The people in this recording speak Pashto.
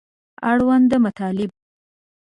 اړونده مطالب